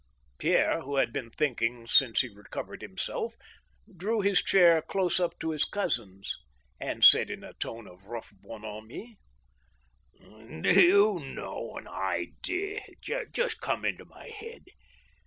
Pierre, who had been thinking since he recovered himself, drew his chair close up to his cousin's, and said in a tone of rough ban* homie :" Do you know, an idea has come into my head.